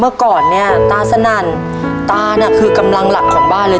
ทับผลไม้เยอะเห็นยายบ่นบอกว่าเป็นยังไงครับ